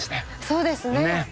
そうですね。